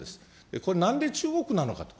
これ、なんで中国なのかと。